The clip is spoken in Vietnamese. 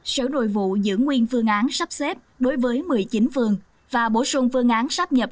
sở nội vụ giữ nguyên phương án sắp xếp đối với một mươi chín phường và bổ sung phương án sắp nhập